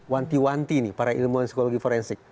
wanti wanti nih para ilmuwan psikologi forensik